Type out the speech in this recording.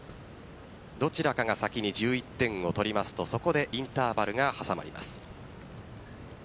どちらかが先に１１点を取りますとそこでインターバルが挟まれます。